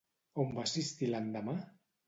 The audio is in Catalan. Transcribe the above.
On va assistir l'endemà?